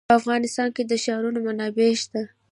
په افغانستان کې د ښارونه منابع شته.